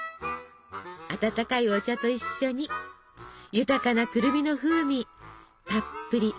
温かいお茶と一緒に豊かなくるみの風味たっぷり味わって！